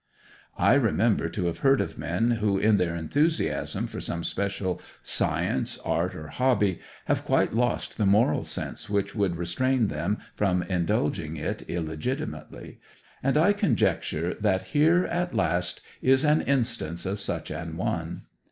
I remember to have heard of men who, in their enthusiasm for some special science, art, or hobby, have quite lost the moral sense which would restrain them from indulging it illegitimately; and I conjecture that here, at last, is an instance of such an one.